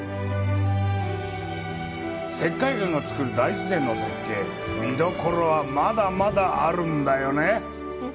石灰岩がつくる大自然の絶景見どころは、まだまだあるんだよね。